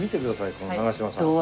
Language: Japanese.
この長嶋さん。